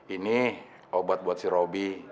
ini obat buat si robi